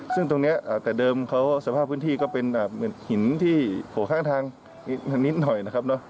ซึ่งตรงนี้แต่เดิมเขาสภาพพื้นที่ก็เป็นเหมือนหินที่โผล่ข้างทางนิดหน่อยนะครับ